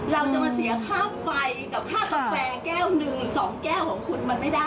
สองแก้วของคุณมันไม่ได้หรอก